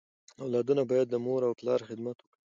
اولادونه بايد د مور او پلار خدمت وکړي.